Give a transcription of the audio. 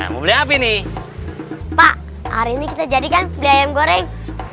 mau beli apa ini pak hari ini aja jadikan brain goreng